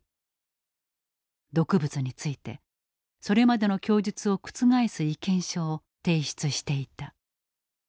毒物についてそれまでの供述を覆す意見書を提出していた。